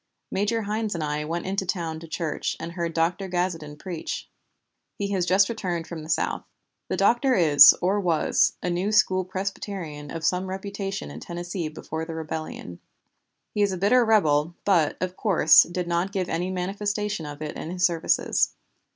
Major Hynes and I went in town to church, and heard Dr. Gazeton preach. He has just returned from the South. The Doctor is (or was) a New School Presbyterian of some reputation in Tennessee before the rebellion. He is a bitter rebel, but, of course, did not give any manifestation of it in his services.